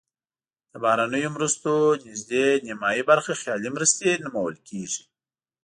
د بهرنیو مرستو نزدې نیمایي برخه خیالي مرستې نومول کیږي.